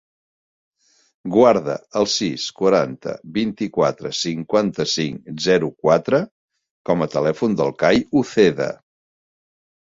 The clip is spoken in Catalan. Guarda el sis, quaranta, vint-i-quatre, cinquanta-cinc, zero, quatre com a telèfon del Cai Uceda.